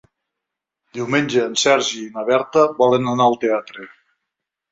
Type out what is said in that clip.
Diumenge en Sergi i na Berta volen anar al teatre.